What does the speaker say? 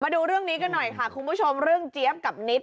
ดูเรื่องนี้กันหน่อยค่ะคุณผู้ชมเรื่องเจี๊ยบกับนิด